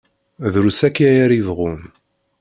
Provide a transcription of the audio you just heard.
Drus akya ara yebɣun.